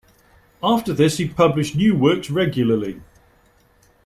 After this he published new works regularly.